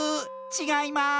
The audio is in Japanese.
ちがいます！